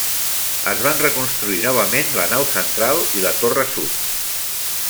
Es van reconstruir novament la nau central i la torre sud.